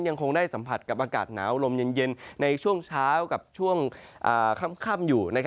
ยังคงได้สัมผัสกับอากาศหนาวลมเย็นในช่วงเช้ากับช่วงค่ำอยู่